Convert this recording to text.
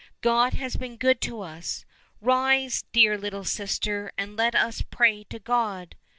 " God has been good to us ! Rise, dear little sister, and let us pray to God